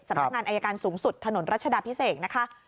นักงานอายการสูงสุดถนนรัชดาพิเศษนะคะ